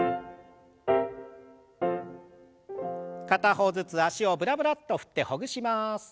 片方ずつ脚をブラブラッと振ってほぐします。